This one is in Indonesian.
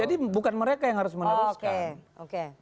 jadi bukan mereka yang harus meneruskan